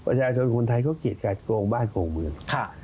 ประชาชนคนไทยเขากรีดกัดโกงบ้านโกงเมือง